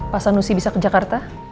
pak sanusi bisa ke jakarta